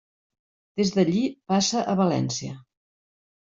Des d'allí passa a València.